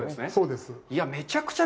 そうです。